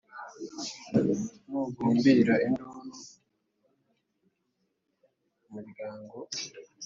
Nugumbira induru umuryango